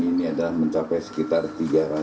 ini adalah mencapai sekitar tiga ratus t